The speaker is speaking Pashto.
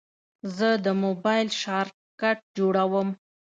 زه د موبایل شارټکټ جوړوم.